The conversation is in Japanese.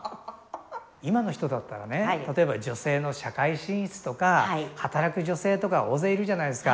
今の人だったらね例えば女性の社会進出とか働く女性とか大勢いるじゃないですか。